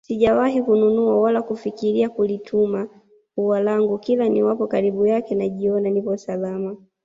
Sijawahi kununua wala kulifikilia kulituma ua langu kila niwapo karibu yake najiona nipo salama